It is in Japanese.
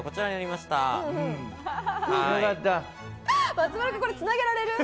松丸君、これつなげられる？